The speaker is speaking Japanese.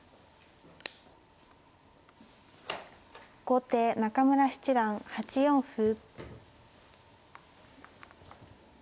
後手中村七段８四歩。